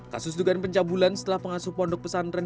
kasus dugaan pencabulan setelah pengasuh pondok pesantren